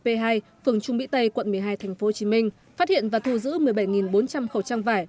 phường trung mỹ tây quận một mươi hai thành phố hồ chí minh phát hiện và thu giữ một mươi bảy bốn trăm linh khẩu trang vải